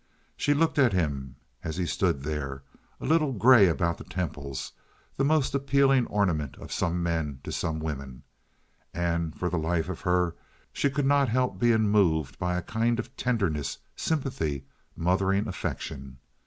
She looked at him as he stood there, a little gray about the temples—the most appealing ornament of some men to some women—and for the life of her she could not help being moved by a kind of tenderness, sympathy, mothering affection.